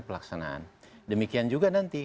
pelaksanaan demikian juga nanti